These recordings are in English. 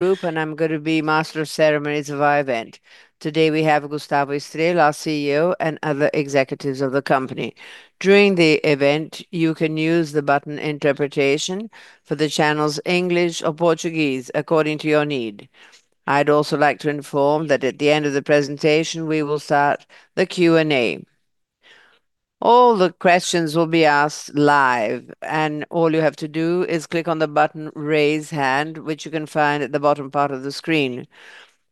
Group. I'm going to be master of ceremonies of our event. Today, we have Gustavo Estrella, our CEO, and other executives of the company. During the event, you can use the button Interpretation for the channels English or Portuguese according to your need. I'd also like to inform that at the end of the presentation, we will start the Q&A. All the questions will be asked live, and all you have to do is click on the button Raise Hand, which you can find at the bottom part of the screen.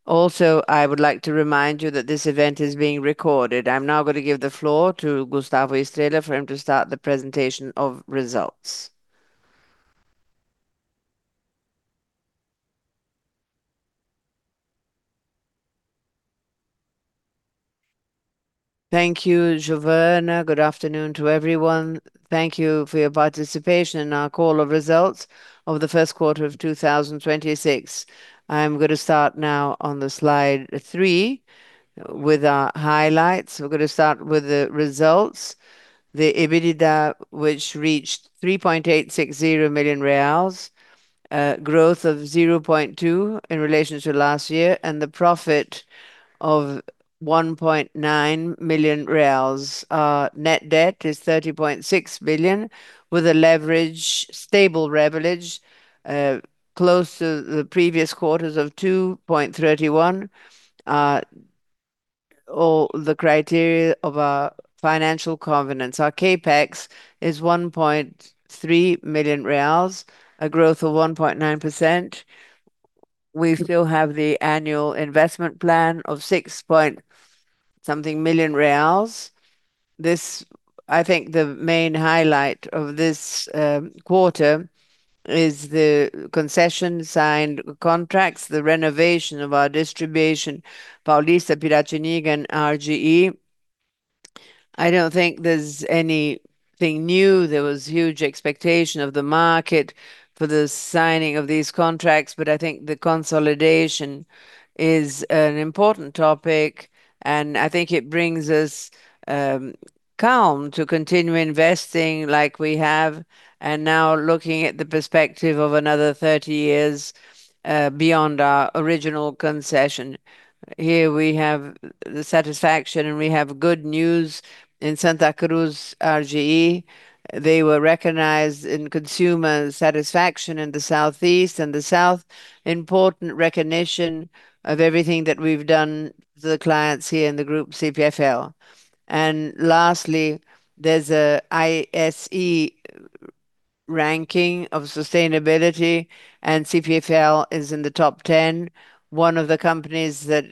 Also, I would like to remind you that this event is being recorded. I'm now going to give the floor to Gustavo Estrella for him to start the presentation of results. Thank you, Giovanna. Good afternoon to everyone. Thank you for your participation in our call of Results of the First Quarter of 2026. I'm gonna start now on the slide three with our highlights. We're gonna start with the results. The EBITDA, which reached 3,860 million reais, growth of 0.2% in relation to last year, and the profit of 1.9 million reais. Our net debt is 30.6 billion, with a leverage, stable leverage, close to the previous quarters of 2.31x, all the criteria of our financial covenants. Our CapEx is 1.3 million reais, a growth of 1.9%. We still have the annual investment plan of six-point-something million reals. This, I think the main highlight of this quarter is the concession signed contracts, the renovation of our distribution, Paulista, Piratininga, and RGE. I don't think there's anything new. There was huge expectation of the market for the signing of these contracts, but I think the consolidation is an important topic, and I think it brings us calm to continue investing like we have. Now looking at the perspective of another 30 years beyond our original concession. Here we have the satisfaction, and we have good news in Santa Cruz RGE. They were recognized in consumer satisfaction in the southeast and the south. Important recognition of everything that we've done to the clients here in the group CPFL. Lastly, there's an ISE ranking of sustainability, and CPFL is in the top 10. One of the companies that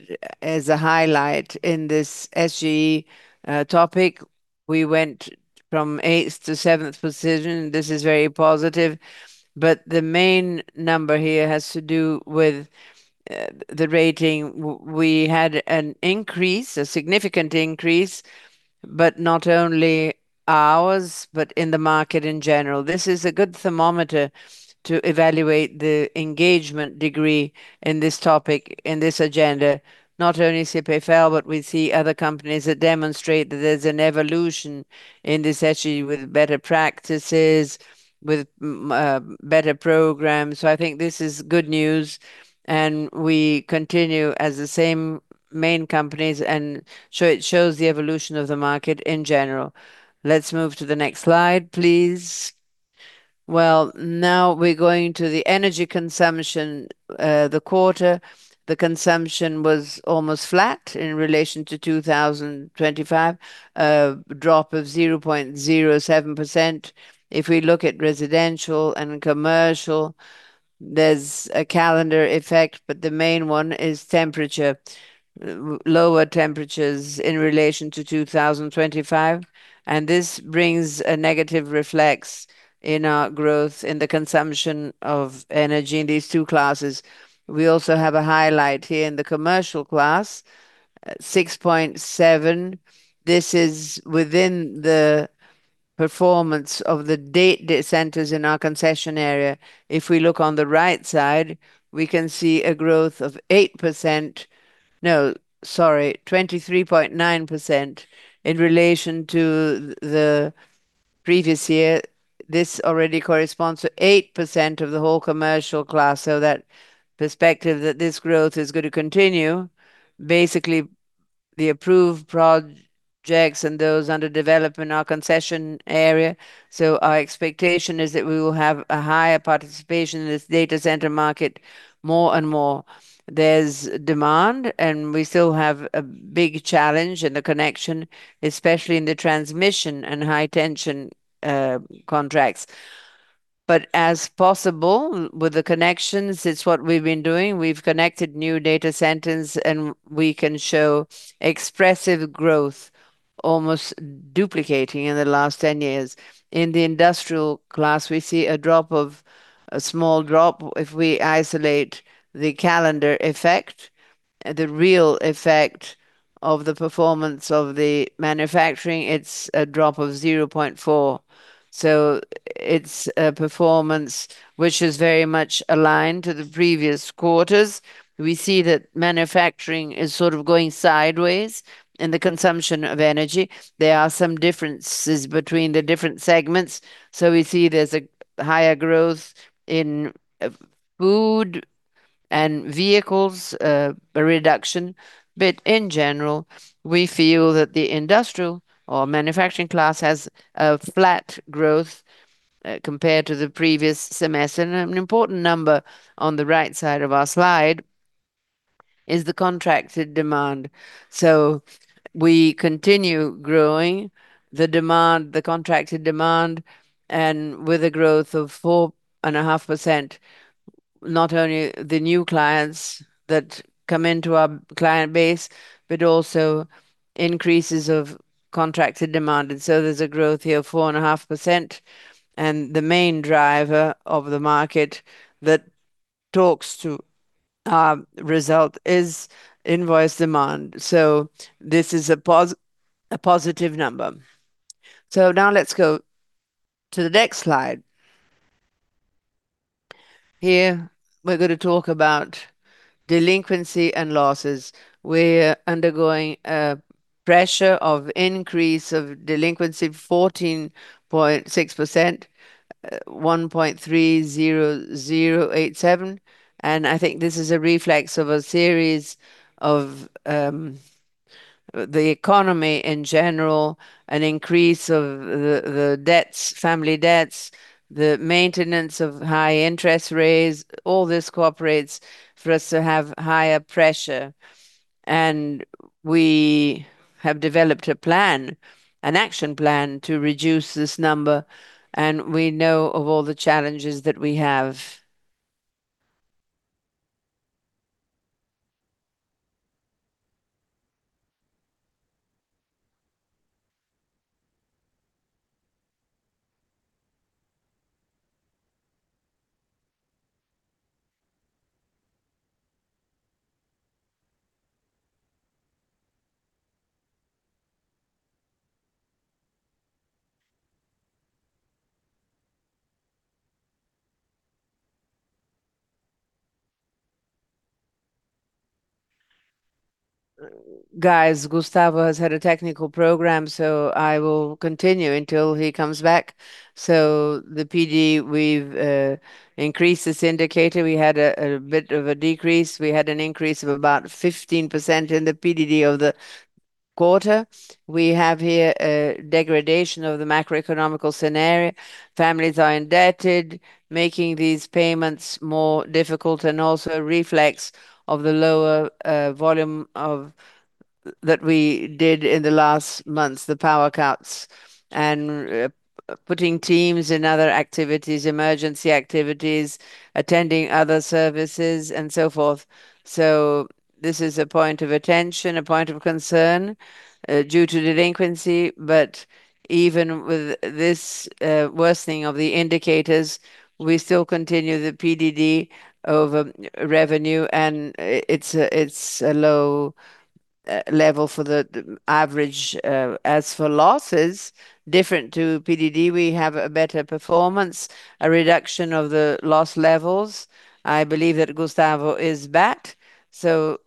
as a highlight in this ESG topic. We went from eighth to seventh position. This is very positive. The main number here has to do with the rating. We had an increase, a significant increase, but not only ours, but in the market in general. This is a good thermometer to evaluate the engagement degree in this topic, in this agenda. Not only CPFL, but we see other companies that demonstrate that there's an evolution in this actually with better practices, with better programs. I think this is good news, and we continue as the same main companies and show It shows the evolution of the market in general. Let's move to the next slide, please. Well, now we're going to the energy consumption, the quarter. The consumption was almost flat in relation to 2025, a drop of 0.07%. If we look at residential and commercial, there's a calendar effect, but the main one is temperature. Lower temperatures in relation to 2025, this brings a negative reflex in our growth in the consumption of energy in these two classes. We also have a highlight here in the commercial class, 6.7%. This is within the performance of the data centers in our concession area. If we look on the right side, we can see a growth of 8%. No, sorry, 23.9% in relation to the previous year. This already corresponds to 8% of the whole commercial class, that perspective that this growth is gonna continue. Basically, the approved projects and those under development in our concession area. Our expectation is that we will have a higher participation in this data center market more and more. There's demand, we still have a big challenge in the connection, especially in the transmission and high tension contracts. As possible, with the connections, it's what we've been doing. We've connected new data centers, and we can show expressive growth, almost duplicating in the last 10 years. In the industrial class, we see a small drop if we isolate the calendar effect. The real effect of the performance of the manufacturing, it's a drop of 0.4. It's a performance which is very much aligned to the previous quarters. We see that manufacturing is sort of going sideways in the consumption of energy. There are some differences between the different segments. We see there's a higher growth in food and vehicles, a reduction. In general, we feel that the industrial or manufacturing class has a flat growth compared to the previous semester. An important number on the right side of our slide is the contracted demand. We continue growing the demand, the contracted demand, and with a growth of 4.5%, not only the new clients that come into our client base, but also increases of contracted demand. There's a growth here of 4.5%, and the main driver of the market that talks to our result is invoice demand. This is a positive number. Now let's go to the next slide. Here we're gonna talk about delinquency and losses. We're undergoing a pressure of increase of delinquency 14.6%, 1.30087, and I think this is a reflex of a series of the economy in general, an increase of the debts, family debts, the maintenance of high interest rates. All this cooperates for us to have higher pressure. We have developed a plan, an action plan to reduce this number, and we know of all the challenges that we have. Guys, Gustavo has had a technical program. I will continue until he comes back. The PDD, we've increased this indicator. We had a bit of a decrease. We had an increase of about 15% in the PDD of the quarter. We have here a degradation of the macroeconomic scenario. Families are indebted, making these payments more difficult, and also a reflex of the lower volume of that we did in the last months, the power cuts, and putting teams in other activities, emergency activities, attending other services, and so forth. This is a point of attention, a point of concern due to delinquency. Even with this worsening of the indicators, we still continue the PDD of revenue, and it's a low level for the average. As for losses, different to PDD, we have a better performance, a reduction of the loss levels. I believe that Gustavo is back. Gustavo,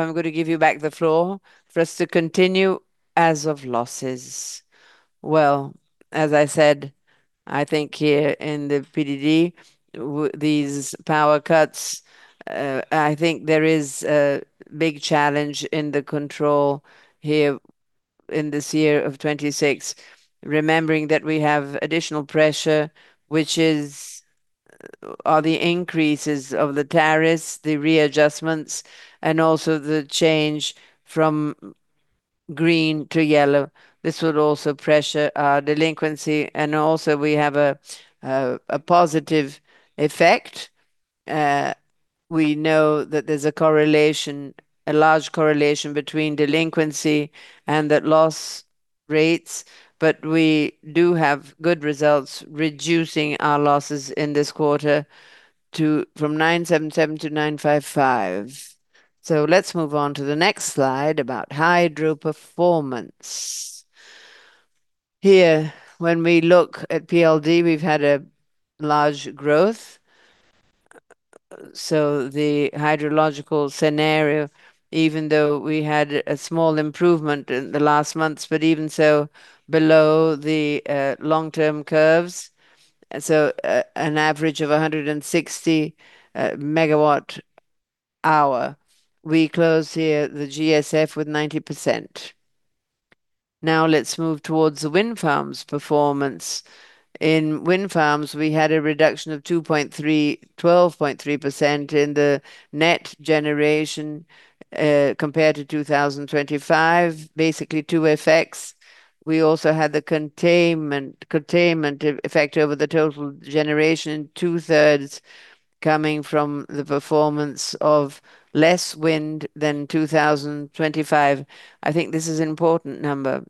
I'm gonna give you back the floor for us to continue as of losses. As I said, I think here in the PDD, these power cuts, I think there is a big challenge in the control here in this year of 2026, remembering that we have additional pressure, which is are the increases of the tariffs, the readjustments, and also the change from green to yellow. This would also pressure our delinquency. Also we have a positive effect. We know that there's a correlation, a large correlation between delinquency and that loss rates, but we do have good results reducing our losses in this quarter from 977 to 955. Let's move on to the next slide about hydro performance. Here, when we look at PLD, we've had a large growth. The hydrological scenario, even though we had a small improvement in the last months, even so, below the long-term curves. An average of 160 MWh. We close here the GSF with 90%. Let's move towards the wind farms' performance. In wind farms, we had a reduction of 2.3, 12.3% in the net generation compared to 2025. Basically, two effects. We also had the containment effect over the total generation, 2/3 coming from the performance of less wind than 2025. I think this is an important number.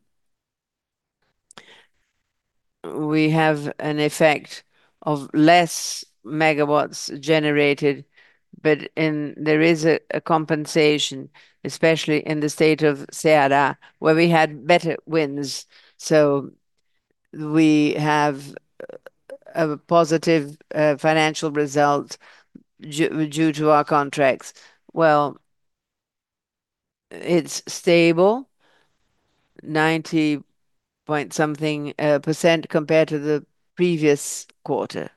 We have an effect of less megawatts generated, there is a compensation, especially in the state of Ceará, where we had better winds. We have a positive financial result due to our contracts. It's stable. 90 point something percent compared to the previous quarter.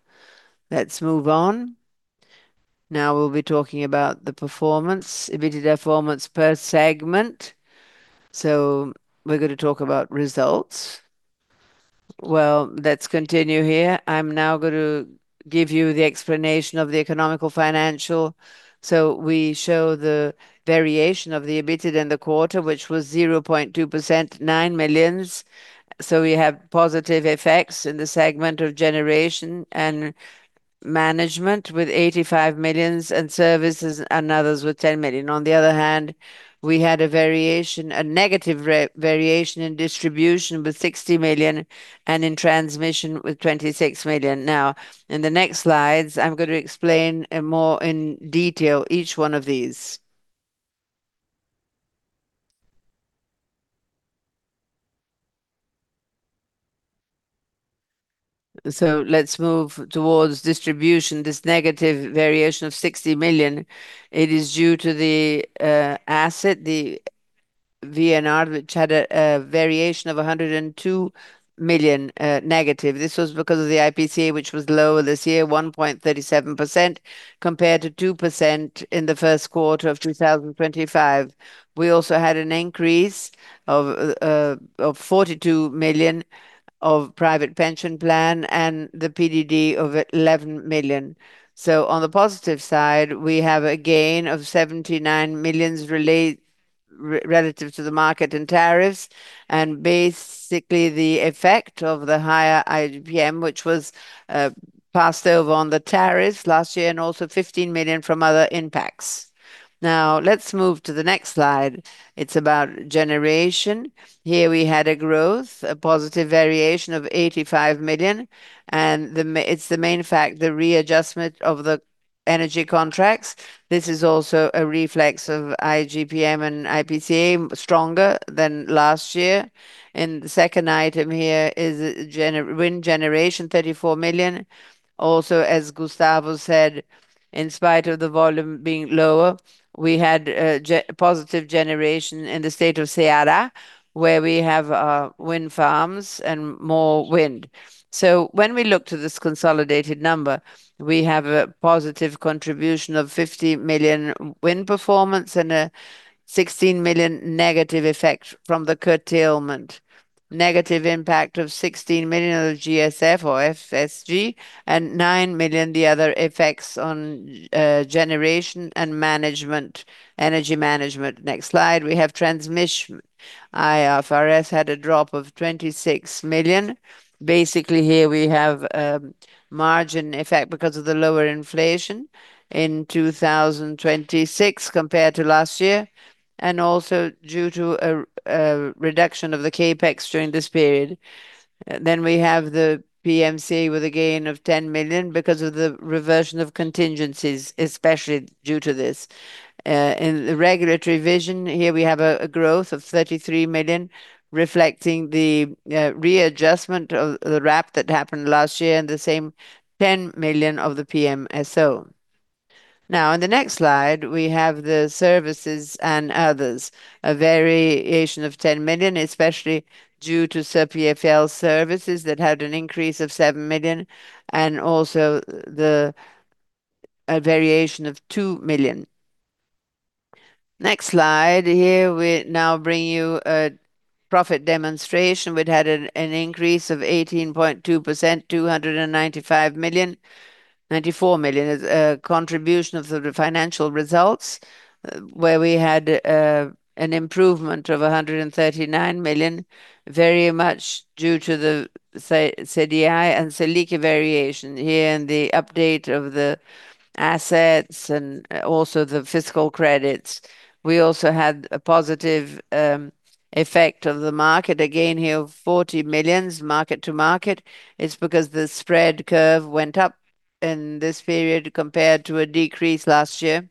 Let's move on. Now we'll be talking about the performance, EBITDA performance per segment. We're gonna talk about results. Let's continue here. I'm now going to give you the explanation of the economical financial. We show the variation of the EBITDA in the quarter, which was 0.2%, 9 million. We have positive effects in the segment of generation and management with 85 million and services and others with 10 million. On the other hand, we had a variation, a negative re-variation in distribution with 60 million and in transmission with 26 million. In the next slides, I'm gonna explain in detail each one of these. Let's move towards distribution. This negative variation of 60 million, it is due to the asset, the VNR, which had a variation of 102 million negative. This was because of the IPCA, which was lower this year, 1.37% compared to 2% in the first quarter of 2025. We also had an increase of 42 million of private pension plan and the PDD of 11 million. On the positive side, we have a gain of 79 million relative to the market and tariffs, and basically the effect of the higher IGP-M, which was passed over on the tariffs last year, and also 15 million from other impacts. Let's move to the next slide. It's about generation. Here we had a growth, a positive variation of 85 million, and It's the main fact, the readjustment of the energy contracts. This is also a reflex of IGP-M and IPCA, stronger than last year. The second item here is wind generation, 34 million. Also, as Gustavo said, in spite of the volume being lower, we had positive generation in the state of Ceará, where we have wind farms and more wind. When we look to this consolidated number, we have a positive contribution of 50 million wind performance and a 16 million negative effect from the curtailment. Negative impact of 16 million of GSF or [FSG], and 9 million, the other effects on generation and management, energy management. Next slide we have transmission. IFRS had a drop of 26 million. Basically here we have a margin effect because of the lower inflation in 2026 compared to last year, and also due to a reduction of the CapEx during this period. We have the [PMC] with a gain of 10 million because of the reversion of contingencies, especially due to this. In the regulatory vision, here we have a growth of 33 million reflecting the readjustment of the RAP that happened last year and the same 10 million of the PMSO. In the next slide, we have the services and others. A variation of 10 million, especially due to CPFL Serviços that had an increase of 7 million, and also a variation of 2 million. Next slide. We now bring you a profit demonstration. We'd had an increase of 18.2%, 295 million, 94 million. A contribution of the financial results, where we had an improvement of 139 million, very much due to the, say, CDI and Selic variation here and the update of the assets and also the fiscal credits. We also had a positive effect of the market, a gain here of 40 million, market-to-market. It's because the spread curve went up in this period compared to a decrease last year.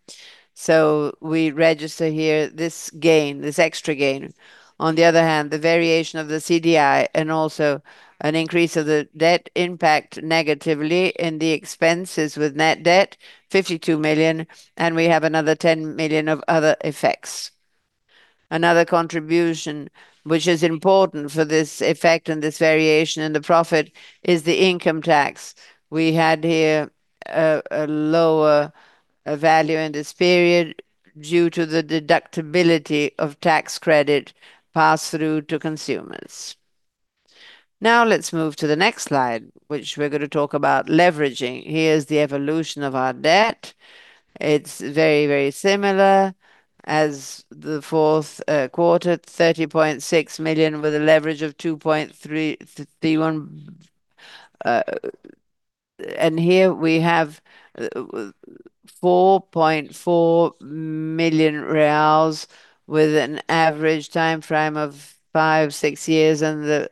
We register here this gain, this extra gain. On the other hand, the variation of the CDI and also an increase of the debt impact negatively in the expenses with net debt, 52 million, and we have another 10 million of other effects. Another contribution which is important for this effect and this variation in the profit is the income tax. We had here a lower value in this period due to the deductibility of tax credit passed through to consumers. Let's move to the next slide, which we're gonna talk about leveraging. Here's the evolution of our debt. It's very similar. As the fourth quarter, 30.6 million with a leverage of 2.31. Here we have 4.4 million reais with an average timeframe of five to six years, the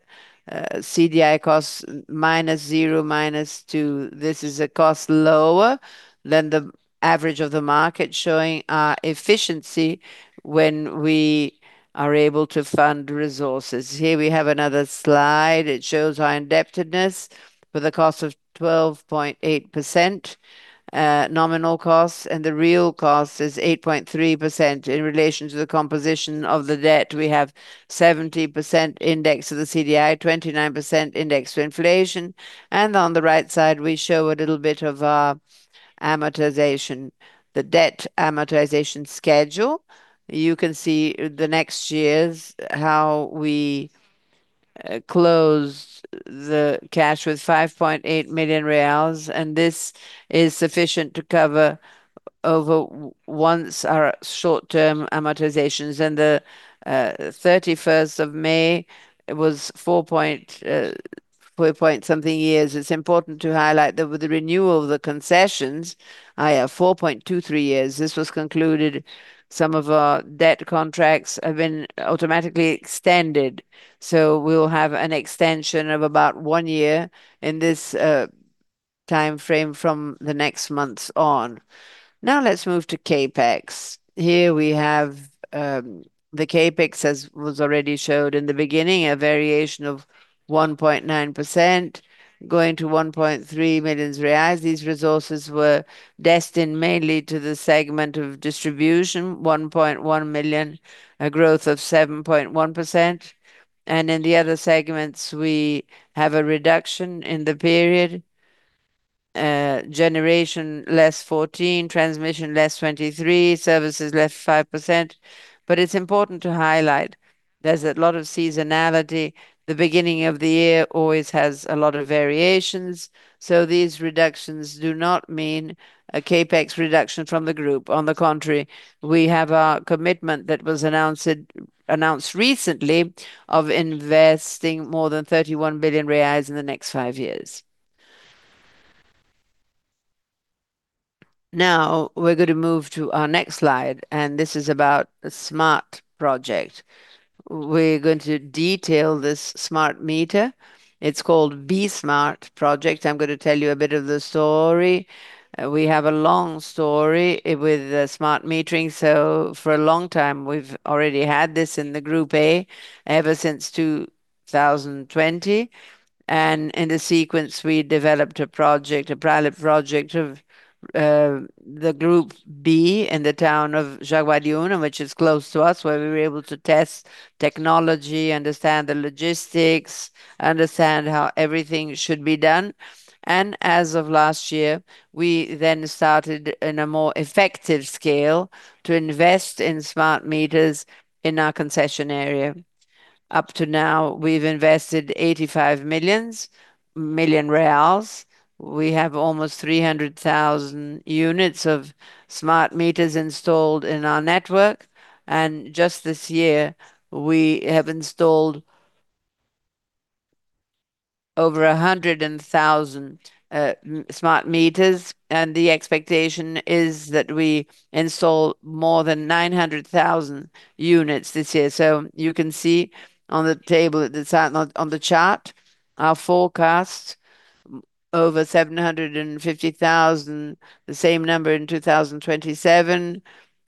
CDI cost -0, -2. This is a cost lower than the average of the market, showing our efficiency when we are able to fund resources. Here we have another slide. It shows our indebtedness with a cost of 12.8% nominal costs. The real cost is 8.3% in relation to the composition of the debt. We have 70% indexed to the CDI, 29% indexed to inflation. On the right side we show a little bit of our amortization, the debt amortization schedule. You can see the next year's, how we close the cash with 5.8 million reais. This is sufficient to cover over once our short-term amortizations. The 31st of May, it was four point something years. It's important to highlight that with the renewal of the concessions, 4.23 years, this was concluded. Some of our debt contracts have been automatically extended. We'll have an extension of about one year in this timeframe from the next months on. Now let's move to CapEx. Here we have the CapEx as was already showed in the beginning, a variation of 1.9% going to 1.3 million reais. These resources were destined mainly to the segment of distribution, 1.1 million, a growth of 7.1%. In the other segments we have a reduction in the period. Generation less 14%, transmission less 23%, services less 5%. It's important to highlight there's a lot of seasonality. The beginning of the year always has a lot of variations. These reductions do not mean a CapEx reduction from the group. On the contrary, we have a commitment that was announced recently of investing more than 31 billion reais in the next five years. Now we're gonna move to our next slide, this is about a smart project. We're going to detail this smart meter. It's called Be Smart Project. I'm gonna tell you a bit of the story. We have a long story with smart metering, so for a long time we've already had this in the Group A ever since 2020. In the sequence we developed a project, a pilot project of the Group B in the town of Jaguariúna, which is close to us, where we were able to test technology, understand the logistics, understand how everything should be done. As of last year, we then started in a more effective scale to invest in smart meters in our concession area. Up to now, we've invested 85 million. We have almost 300,000 units of smart meters installed in our network, and just this year we have installed over 100,000 smart meters, and the expectation is that we install more than 900,000 units this year. You can see on the table at the side on the chart our forecast, over 750,000, the same number in 2027,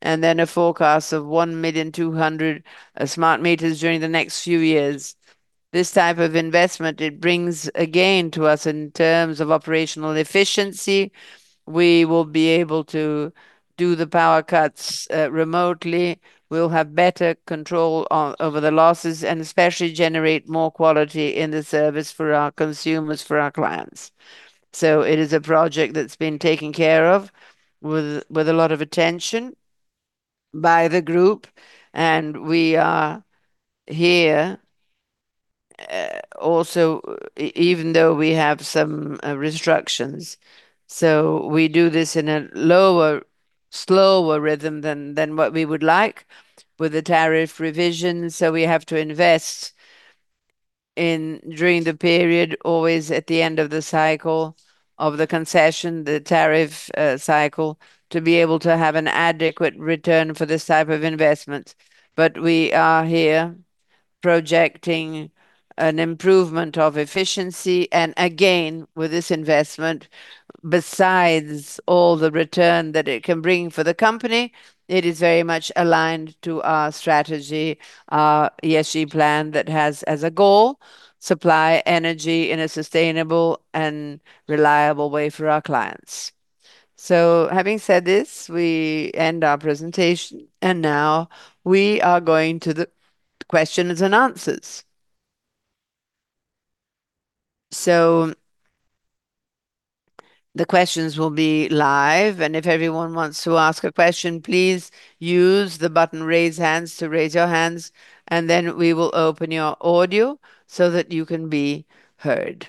and then a forecast of 1,000,200 smart meters during the next few years. This type of investment, it brings a gain to us in terms of operational efficiency. We will be able to do the power cuts remotely. We'll have better control over the losses and especially generate more quality in the service for our consumers, for our clients. It is a project that's been taken care of with a lot of attention by the group, and we are here, even though we have some restrictions. We do this in a lower, slower rhythm than what we would like with the tariff revision, we have to invest in, during the period, always at the end of the cycle of the concession, the tariff cycle, to be able to have an adequate return for this type of investment. We are here projecting an improvement of efficiency and again, with this investment, besides all the return that it can bring for the company, it is very much aligned to our strategy, our ESG plan that has, as a goal, supply energy in a sustainable and reliable way for our clients. Having said this, we end our presentation and now we are going to the questions and answers. The questions will be live, and if everyone wants to ask a question, please use the button raise hands to raise your hands, and then we will open your audio so that you can be heard.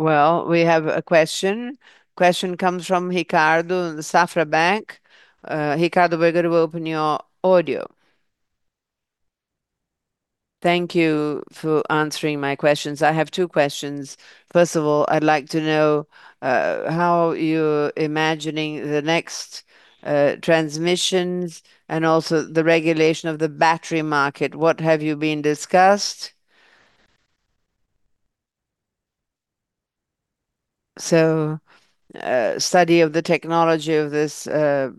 Well, we have a question. Question comes from Ricardo in the Safra Bank. Ricardo, we're going to open your audio. Thank you for answering my questions. I have two questions. First of all, I'd like to know how you're imagining the next transmissions and also the regulation of the battery market. What have you been discussed? Study of the technology of this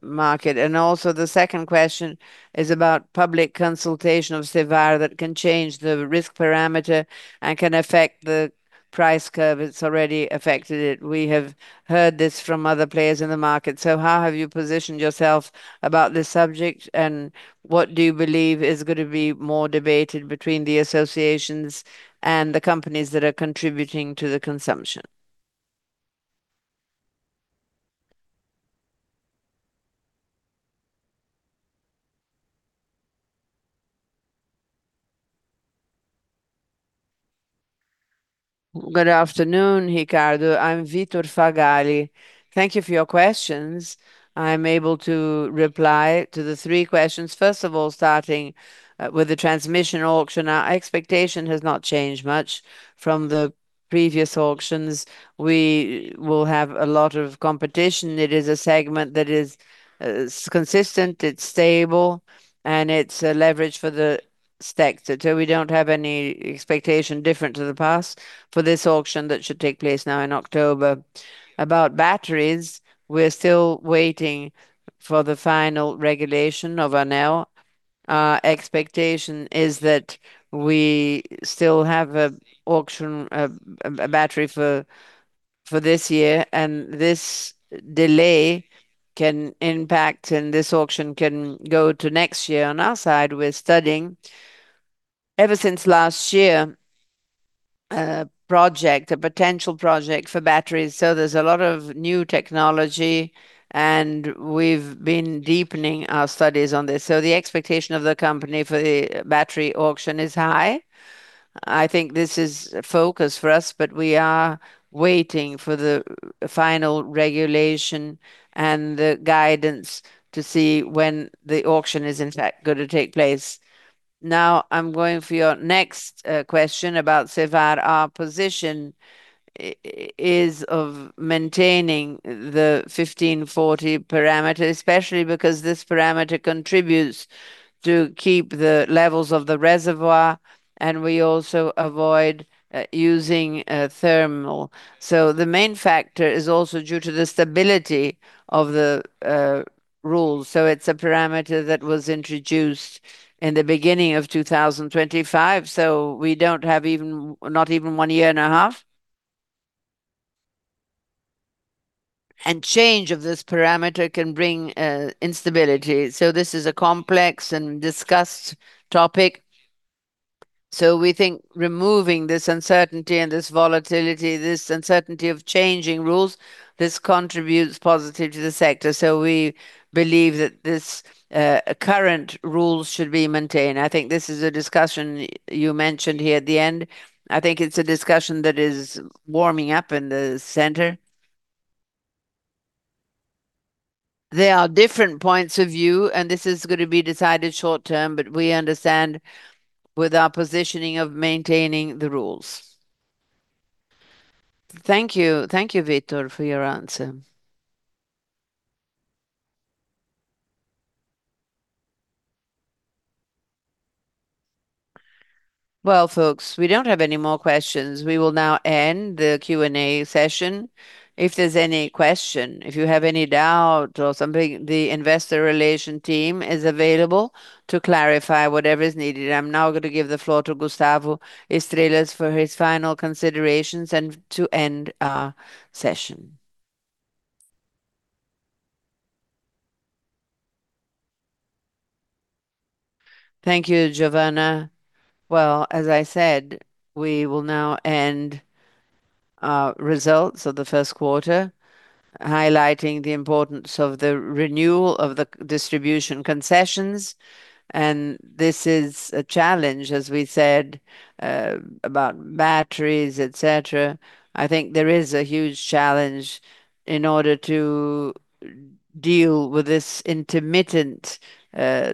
market. The second question is about public consultation of CVaR that can change the risk parameter and can affect the price curve. It's already affected it. We have heard this from other players in the market. How have you positioned yourself about this subject, and what do you believe is going to be more debated between the associations and the companies that are contributing to the consumption? Good afternoon, Ricardo. I'm Vitor Fagali. Thank you for your questions. I'm able to reply to the three questions. First of all, starting with the transmission auction. Our expectation has not changed much from the previous auctions. We will have a lot of competition. It is a segment that is consistent, it's stable, and it's a leverage for the sector. We don't have any expectation different to the past for this auction that should take place now in October. About batteries, we're still waiting for the final regulation of ANEEL. Our expectation is that we still have a auction, a battery for this year, and this delay can impact, and this auction can go to next year. On our side, we're studying, ever since last year, a project, a potential project for batteries. There's a lot of new technology, and we've been deepening our studies on this. The expectation of the company for the battery auction is high. I think this is a focus for us, but we are waiting for the final regulation and the guidance to see when the auction is in fact gonna take place. I'm going for your next question about CVaR. Our position is of maintaining the 1540 parameter, especially because this parameter contributes to keep the levels of the reservoir, and we also avoid using thermal. The main factor is also due to the stability of the rules. It's a parameter that was introduced in the beginning of 2025, so we don't have even, not even one year and a half. Change of this parameter can bring instability. This is a complex and discussed topic. We think removing this uncertainty and this volatility, this uncertainty of changing rules, this contributes positive to the sector. We believe that this current rules should be maintained. I think this is a discussion you mentioned here at the end. I think it's a discussion that is warming up in the sector. There are different points of view, and this is gonna be decided short-term, but we understand with our positioning of maintaining the rules. Thank you. Thank you, Vitor, for your answer. Well, folks, we don't have any more questions. We will now end the Q&A session. If there's any question, if you have any doubt or something, the Investor Relations team is available to clarify whatever is needed. I'm now gonna give the floor to Gustavo Estrella for his final considerations and to end our session. Thank you, Giovanna. Well, as I said, we will now end our results of the first quarter, highlighting the importance of the renewal of the distribution concessions, and this is a challenge, as we said, about batteries, et cetera. I think there is a huge challenge in order to deal with this intermittent,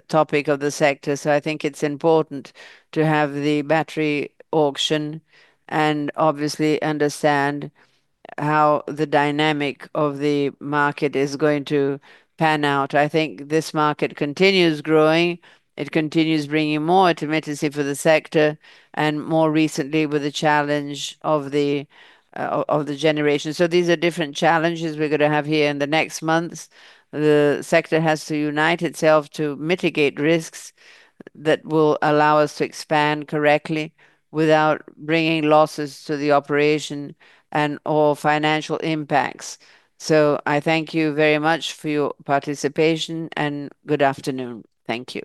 topic of the sector. I think it's important to have the battery auction and obviously understand how the dynamic of the market is going to pan out. I think this market continues growing. It continues bringing more intermittency for the sector and more recently with the challenge of the generation. These are different challenges we're gonna have here in the next months. The sector has to unite itself to mitigate risks that will allow us to expand correctly without bringing losses to the operation and/or financial impacts. I thank you very much for your participation, and good afternoon. Thank you.